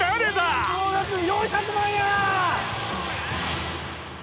これで総額４００万や！